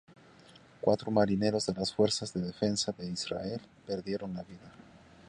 Cuatro marineros de las fuerzas de defensa de Israel perdieron la vida.